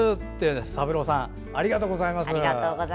三郎さん、ありがとうございます。